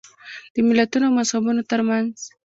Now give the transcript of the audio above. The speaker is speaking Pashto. د ملتونو او مذهبونو ترمنځ.